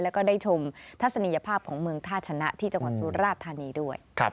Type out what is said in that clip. แล้วก็ได้ชมทัศนียภาพของเมืองท่าชนะที่จังหวัดสุราธานีด้วย